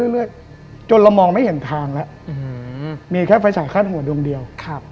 เรื่อยจนเรามองไม่เห็นทางแล้วมีแค่ไฟฉายคาดหัวดวงเดียว